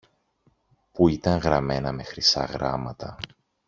που ήταν γραμμένα με χρυσά γράμματα